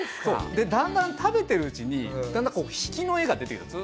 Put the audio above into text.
でだんだん食べてるうちにだんだん引きの画が出てきたんです。